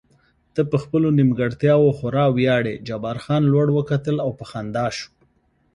ته په خپلو نیمګړتیاوو خورا ویاړې، جبار خان لوړ وکتل او په خندا شو.